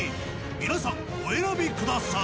皆さんお選びください